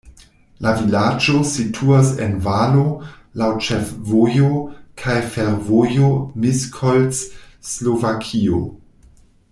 La vilaĝo situas en valo, laŭ ĉefvojo kaj fervojo Miskolc-Slovakio.